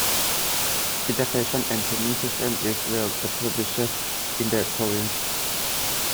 Education and training system is well established in the province.